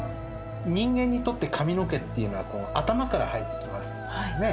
人間にとって髪の毛っていうのは頭から生えてきますよね。